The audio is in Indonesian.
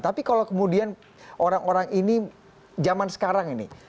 tapi kalau kemudian orang orang ini zaman sekarang ini